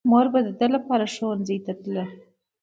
مور به يې د ده لپاره ښوونځي ته تله.